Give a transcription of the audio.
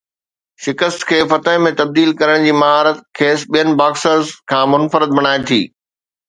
شڪست کي فتح ۾ تبديل ڪرڻ جي مهارت کيس ٻين باڪسرز کان منفرد بڻائي ٿي